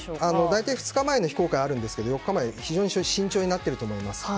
大体２日前の非公開はあるんですが４日前は非常に慎重になっていると思います。